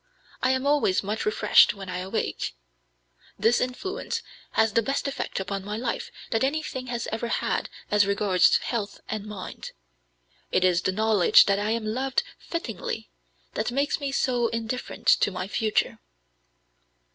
I am always much refreshed when I awake. This influence has the best effect upon my life that anything has ever had as regards health and mind. It is the knowledge that I am loved fittingly that makes me so indifferent to my future.